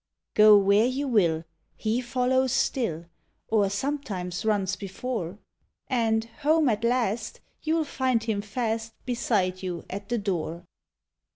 Go where you will, he follows still. Or sometimes runs before. And, home at last, you '11 tind him fast Beside you at the door.